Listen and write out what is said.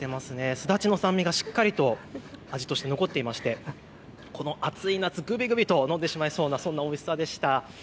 すだちの酸味がしっかりと残っていて暑い夏、ぐびぐびと飲んでしまうようなおいしさでした。